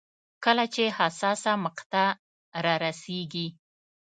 کله چې حساسه مقطعه رارسېږي.